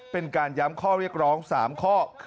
เป็นการย้ำข้อเรียกร้อง๓ข้อ